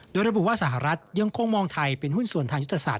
โดยระบุว่าสหรัฐยังคงมองไทยเป็นหุ้นส่วนทางยุทธศาส